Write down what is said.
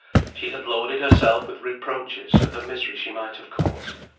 She had loaded herself with reproaches for the misery she might have caused.